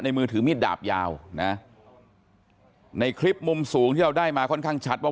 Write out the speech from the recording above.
มือถือมีดดาบยาวนะในคลิปมุมสูงที่เราได้มาค่อนข้างชัดว่า